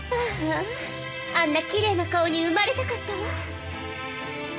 あああんなきれいな顔に生まれたかったわ。